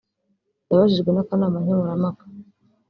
yabajijwe n’akanama nkemurampaka